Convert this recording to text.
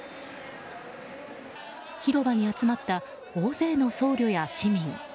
広場に集まった大勢の僧侶や市民。